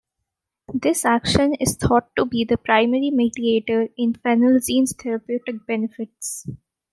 This action is thought to be the primary mediator in phenelzine's therapeutic benefits.